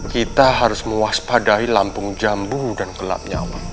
kita harus mewaspadai lampung jambu dan gelap nyawa